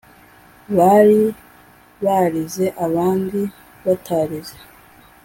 bari barize abandi batarize